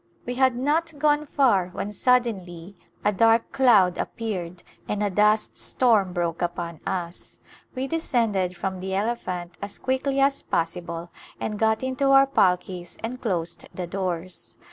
We had not gone far when suddenly a dark cloud ap peared and a dust storm broke upon us. We de scended from the elephant as quickly as possible and got into our palkis and closed the doors.